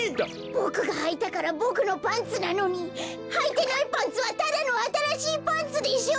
ボクがはいたからボクのパンツなのにはいてないパンツはただのあたらしいパンツでしょう！